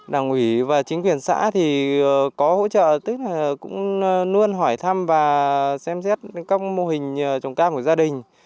đảng ủy và chính quyền xã thì có hỗ trợ tức là cũng luôn hỏi thăm và xem xét các mô hình trồng cam của gia đình